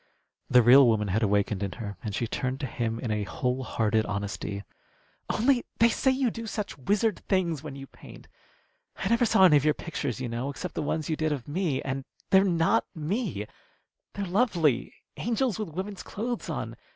The real woman had awakened in her, and she turned to him in a whole hearted honesty. "Only, they say you do such wizard things when you paint. I never saw any of your pictures, you know, except the ones you did of me. And they're not me. They're lovely angels with women's clothes on.